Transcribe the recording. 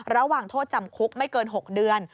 ระหว่างโทษจำคุกไม่เกิน๖เดือน